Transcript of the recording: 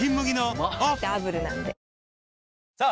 うまダブルなんでさあ